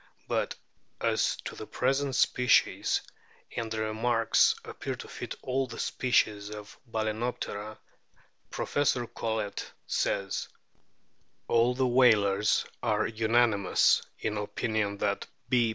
But as to the present species and the remarks appear to fit all the species of Balcenoptera Professor Collett says : "All the whalers are unanimous in opinion that B.